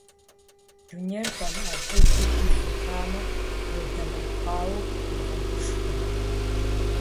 Дунейр фӏэмыӏэфӏыжу гу лъитамэ, йодэмэпкъауэ, игъэгушхуэу.